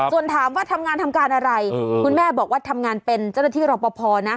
ส่วนถามว่าทำงานทำการอะไรคุณแม่บอกว่าทำงานเป็นเจ้าหน้าที่รอปภนะ